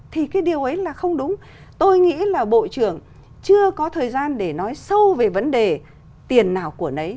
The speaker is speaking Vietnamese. thì cái điều ấy là không đúng tôi nghĩ là bộ trưởng chưa có thời gian để nói sâu về vấn đề tiền nào của nấy